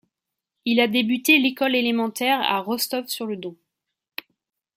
Il a débuté l'école élémentaire à Rostov-sur-le-Don.